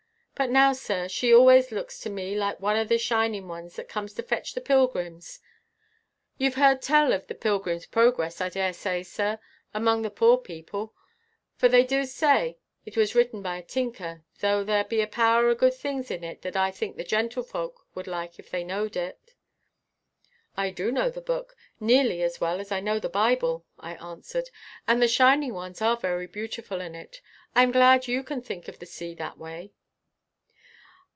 But now, sir, she always looks to me like one o' the shining ones that come to fetch the pilgrims. You've heard tell of the Pilgrim's Progress, I daresay, sir, among the poor people; for they du say it was written by a tinker, though there be a power o' good things in it that I think the gentlefolk would like if they knowed it." "I do know the book nearly as well as I know the Bible," I answered; "and the shining ones are very beautiful in it. I am glad you can think of the sea that way."